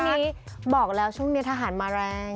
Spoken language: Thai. วันนี้บอกแล้วช่วงนี้ทหารมาแรง